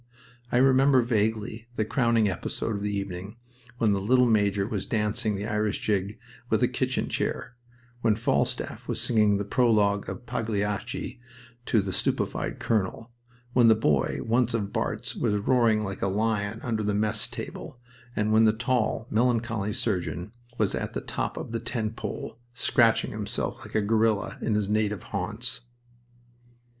I remember vaguely the crowning episode of the evening when the little major was dancing the Irish jig with a kitchen chair; when Falstaff was singing the Prologue of Pagliacci to the stupefied colonel; when the boy, once of Barts', was roaring like a lion under the mess table, and when the tall, melancholy surgeon was at the top of the tent pole, scratching himself like a gorilla in his native haunts...